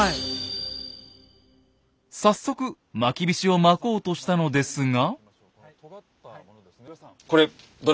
早速まきびしをまこうとしたのですが。